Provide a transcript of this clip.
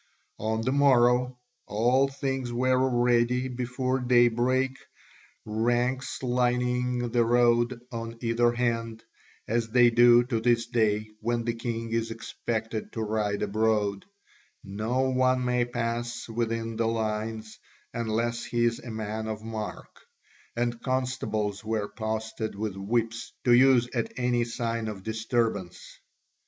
On the morrow all things were ready before day break, ranks lining the road on either hand, as they do to this day when the king is expected to ride abroad no one may pass within the lines unless he is a man of mark and constables were posted with whips, to use at any sign of disturbance.